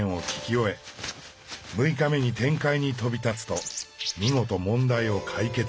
６日目に天界に飛び立つと見事問題を解決。